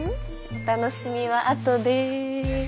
お楽しみはあとで。